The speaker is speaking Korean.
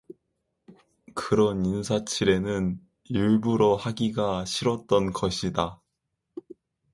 그런 인사치레는 일부러 하기가 싫었던 것이다.